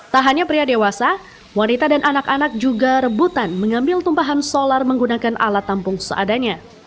tak hanya pria dewasa wanita dan anak anak juga rebutan mengambil tumpahan solar menggunakan alat tampung seadanya